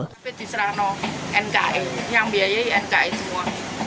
pemkot di serano nke yang biayai nke semua